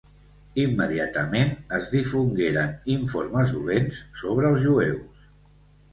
Immediatament es difongueren informes dolents sobre els jueus.